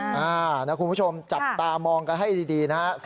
คุณผู้ชมจับตามองกันให้ดีนะฮะ